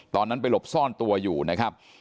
ตอนนั้นไปหลบซ่อนตัวอยู่นะครับ